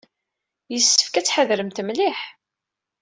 Yessefk ad tḥadremt mliḥ.